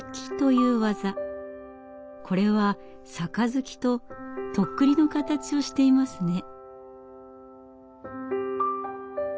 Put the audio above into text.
これは「盃」と「とっくり」の形をしていますね。